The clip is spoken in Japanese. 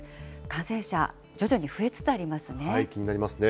感染者、徐々に増えつつありますね。